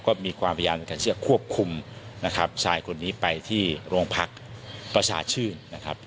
ก็มีความพยายามในการที่จะควบคุมนะครับชายคนนี้ไปที่โรงพักประชาชื่นนะครับ